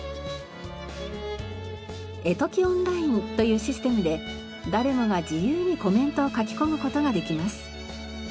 「ＥＴＯＫＩＯＮＬＩＮＥ」というシステムで誰もが自由にコメントを書き込む事ができます。